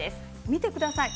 見てください。